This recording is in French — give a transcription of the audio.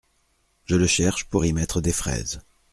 Je le cherche pour y mettre des fraises.